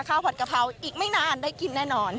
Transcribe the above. ผัดกะเพราอีกไม่นานได้กินแน่นอน